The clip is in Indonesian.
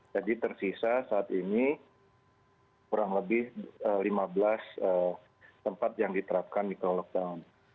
jadi tersisa saat ini kurang lebih lima belas tempat yang diterapkan mikro lockdown